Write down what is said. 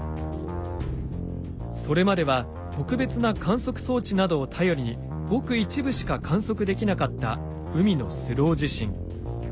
それまでは特別な観測装置などを頼りにごく一部しか観測できなかった海のスロー地震。